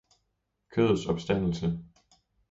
kødets opstandelse